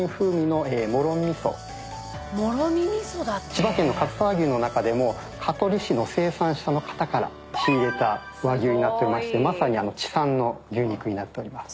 千葉県のかずさ和牛の中でも香取市の生産者の方から仕入れた和牛になってましてまさに地産の牛肉になってます。